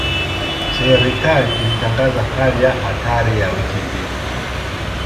Serikali ilitangaza hali ya hatari ya wiki mbili.